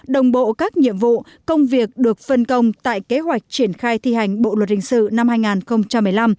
đồng bộ các nhiệm vụ công việc được phân công tại kế hoạch triển khai thi hành bộ luật hình sự năm hai nghìn một mươi năm